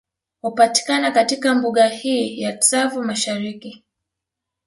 Hupatikana katika Mbuga hii ya Tsavo Mashariki